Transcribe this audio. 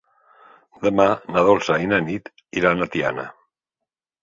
Demà na Dolça i na Nit iran a Tiana.